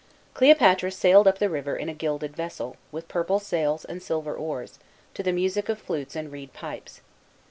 Cleopatra sailed up the river, in a gilded vessel, with purple sails and silver oars, to the music of flutes and reed pipes.